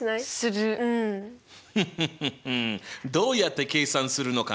フッフッフッどうやって計算するのかな？